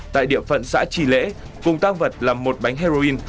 tại địa phận xã trì lễ cùng tang vật làm một bánh heroin